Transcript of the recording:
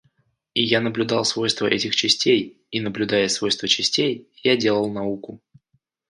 И я наблюдал свойства этих частей, и, наблюдая свойства частей, я делал науку.